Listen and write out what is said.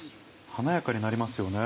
華やかになりますよね。